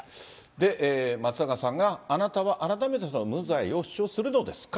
で、松永さんが、あなたは改めて無罪を主張するのですか？